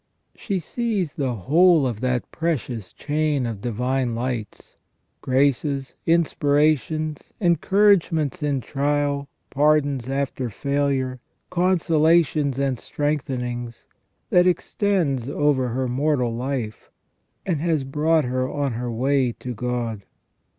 She sees the whole of that precious chain of divine lights, graces, inspira tions, encouragements in trial, pardons after failure, consolations and strengthenings, that extends over her mortal life, and has brought her on her way to God.